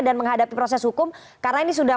dan menghadapi proses hukum karena ini sudah